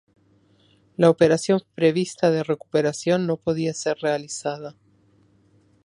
La operación prevista de recuperación no podía ser realizada.